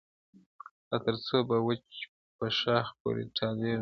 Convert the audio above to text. لا ترڅو به وچ په ښاخ پوري ټالېږم-